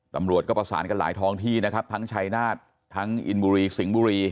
ตำรวจก็ประสานกันหลายท้องที่นะครับทั้งชัยนาฏทั้งอินบุรีสิงห์บุรี